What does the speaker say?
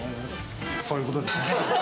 そういうことですかね。